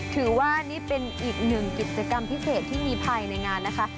ถือว่านี่เป็นอีกหนึ่งกิจกรรมพิเศษที่มีภายในงานนะคะ